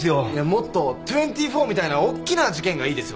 もっと『２４』みたいなおっきな事件がいいですよね。